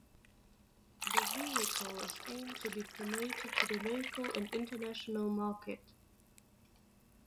The vehicle is aimed to be promoted to the local and international market.